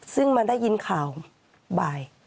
ซึ่งมันได้ยินข่าวบ่าย